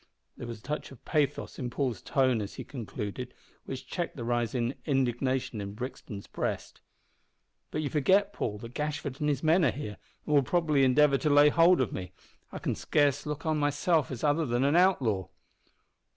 There was a touch of pathos in Paul's tone as he concluded, which checked the rising indignation in Brixton's breast. "But you forget, Paul, that Gashford and his men are here, and will probably endeavour to lay hold of me. I can scarce look on myself as other than an outlaw."